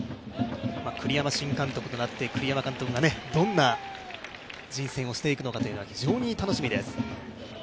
栗山新監督となって、栗山監督がどんな人選をしていくのか、非常に楽しみです。